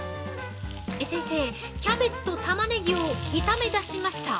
◆先生、キャベツとタマネギを炒め出しました。